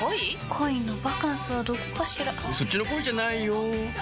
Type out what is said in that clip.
恋のバカンスはどこかしらそっちの恋じゃないよ